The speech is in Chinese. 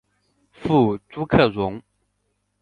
父朱克融。